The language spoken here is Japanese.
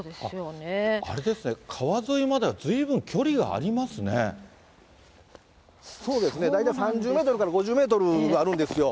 あれですね、川沿いまではずそうですね、大体３０メートルから５０メートルはあるんですよ。